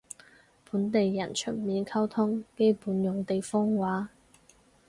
本地人出面溝通基本用地方話